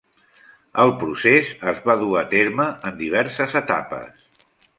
El procés es va dur a terme en diverses etapes.